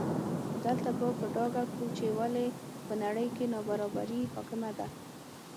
دلته به په ډاګه کړو چې ولې په نړۍ کې نابرابري حاکمه ده.